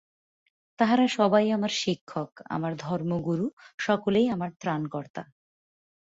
তাহারা সবাই আমার শিক্ষক, আমার ধর্মগুরু, সকলেই আমার ত্রাণকর্তা।